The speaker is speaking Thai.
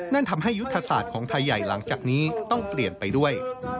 นั่นทำให้ยุทธศาสตร์ของไทยใหญ่หลังจากนี้ต้องเปลี่ยนไปด้วย